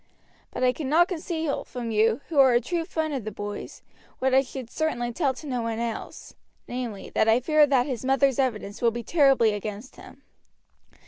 But I cannot conceal from you, who are a true friend of the boy's, what I should certainly tell to no one else, namely, that I fear that his mother's evidence will be terribly against him.